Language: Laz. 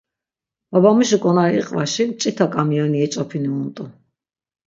Babamuşi ǩonari iqvaşi mç̌ita ǩamiyoni yeç̌opinu unt̆u.